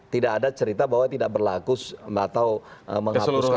tidak ada cerita bahwa tidak berlaku atau menghapuskan